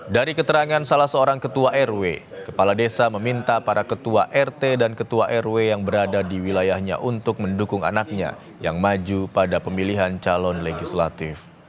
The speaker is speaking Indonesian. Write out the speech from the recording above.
dari keterangan salah seorang ketua rw kepala desa meminta para ketua rt dan ketua rw yang berada di wilayahnya untuk mendukung anaknya yang maju pada pemilihan calon legislatif